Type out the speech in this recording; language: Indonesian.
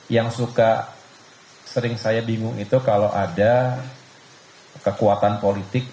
yang suka sering saya bingung itu kalau ada kekuatan politik